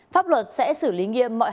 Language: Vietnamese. pháp luật sẽ xử lý nghiêm mọi hành vi